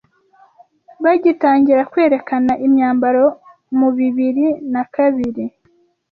bagitangira kwerekana imyambaro mu bibiri na kabiri